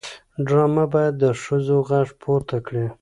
ډرامه باید د ښځو غږ پورته کړي